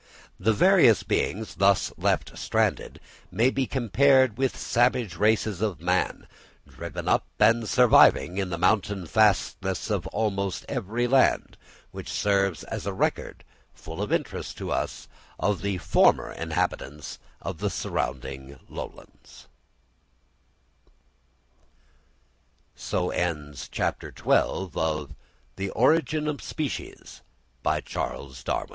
The various beings thus left stranded may be compared with savage races of man, driven up and surviving in the mountain fastnesses of almost every land, which serves as a record, full of interest to us, of the former inhabitants of the surrounding lowlands. CHAPTER XIII. GEOGRAPHICAL DISTRIBUTION—continued. Distribut